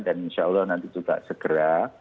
dan insya allah nanti juga segera